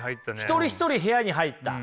一人一人部屋に入った。